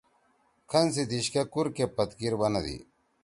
کھن سی دیِش کے کُور کے پتکیر بنَدی۔